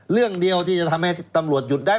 เรื่องเดียวที่จะทำให้ตำรวจหยุดได้